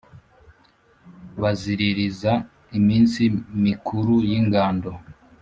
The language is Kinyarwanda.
Baziririza iminsi mikuru y'ingando